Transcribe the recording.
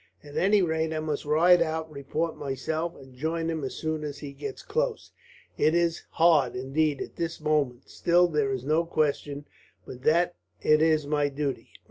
At any rate, I must ride out and report myself, and join him as soon as he gets close. It is hard, indeed, at this moment. Still, there is no question but that it is my duty."